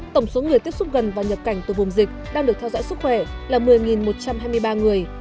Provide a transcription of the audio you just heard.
tổng số người tiếp xúc gần và nhập cảnh từ vùng dịch đang được theo dõi sức khỏe là một mươi một trăm hai mươi ba người